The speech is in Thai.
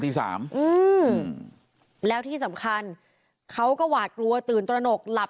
อืมแล้วที่สำคัญเขาก็หวาดกลัวตื่นตระหนกหลับ